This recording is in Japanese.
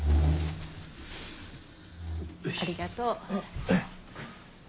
ありがとう。